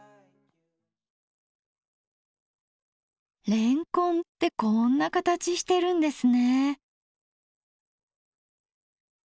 れんこんってこんな形してるんですね。